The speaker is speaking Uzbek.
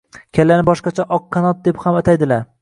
Kallani boshqacha “oqqanot” deb ham ataydilar.